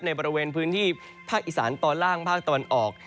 ในบริเวณพื้นที่ภาคอีสานตอนล่างภาคตะวันออก